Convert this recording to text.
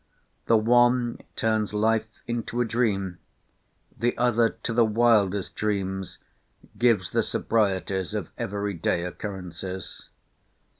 The one turns life into a dream; the other to the wildest dreams gives the sobrieties of every day occurrences.